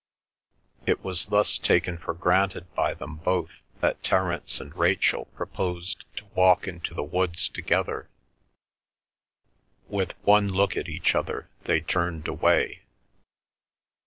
It was thus taken for granted by them both that Terence and Rachel proposed to walk into the woods together; with one look at each other they turned away.